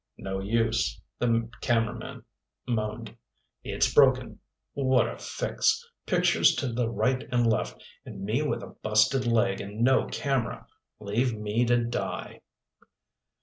"No use," the cameraman moaned. "It's broken. What a fix! Pictures to the right and left, and me with a busted leg and no camera! Leave me to die!"